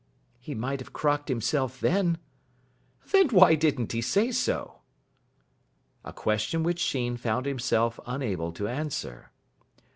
"He might have crocked himself then." "Then why didn't he say so?" A question which Sheen found himself unable to answer.